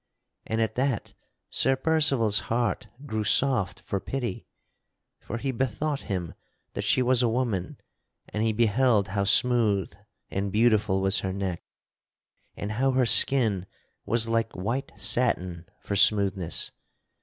And at that Sir Percival's heart grew soft for pity, for he bethought him that she was a woman and he beheld how smooth and beautiful was her neck, and how her skin was like white satin for smoothness.